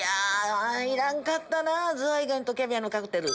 いらんかったなズワイガニとキャビアのカクテル。